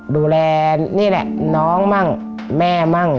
ดูแลนี่แหละน้องมั่งแม่มั่ง